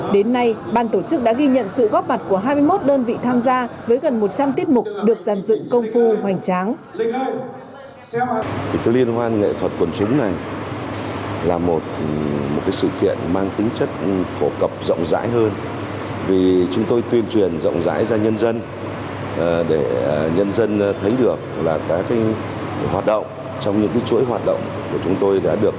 đến nay ban tổ chức đã ghi nhận sự góp mặt của hai mươi một đơn vị tham gia với gần một trăm linh tiết mục được giàn dựng công phu hoành tráng